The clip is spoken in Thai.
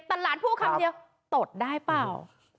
แต่หลานพูดคำเดียวตดได้เปล่า